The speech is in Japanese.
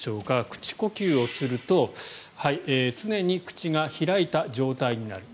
口呼吸をすると常に口が開いた状態になる。